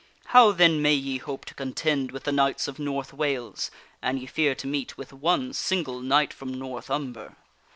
How then may ye hope to contend with the Knights of North Wales, an ye fear to meet with one single Knight from North . Umber?